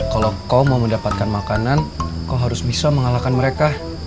kalau kau mau mendapatkan makanan kau harus bisa mengalahkan mereka